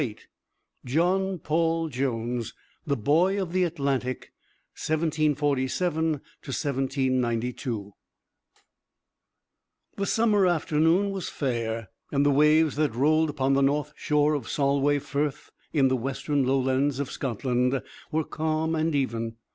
VIII John Paul Jones The Boy of the Atlantic: 1747 1792 The summer afternoon was fair, and the waves that rolled upon the north shore of Solway Firth in the western Lowlands of Scotland were calm and even.